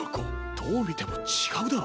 どうみてもちがうだろ。